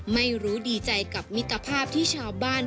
ไม่รู้ดีใจกับมิตรภาพที่ชาวบ้าน